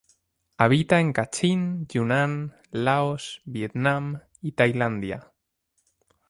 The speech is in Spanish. Habita en Kachin, Yunnan, Laos, Vietnam y Tailandia.